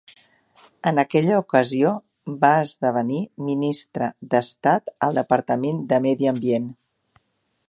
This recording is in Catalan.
En aquella ocasió va esdevenir ministre d'Estat al Departament de Medi Ambient.